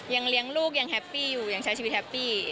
ยังเลี้ยงลูกยังแฮปปี้อยู่ยังใช้ชีวิตแฮปปี้